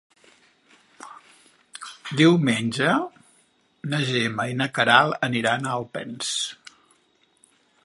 Diumenge na Gemma i na Queralt aniran a Alpens.